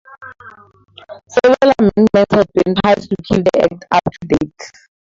Several amendments have been passed to keep the Act up to date.